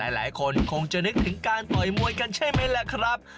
หลายคนคงจะนึกถึงการต่อยมวยกันใช่ไหมล่ะครับ